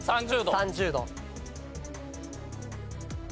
３０度。